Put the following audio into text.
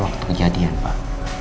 waktu kejadian pak